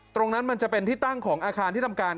มันจะเป็นที่ตั้งของอาคารที่ทำการ